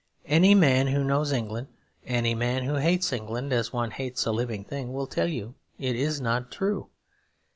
Any man who knows England, any man who hates England as one hates a living thing, will tell you it is not true.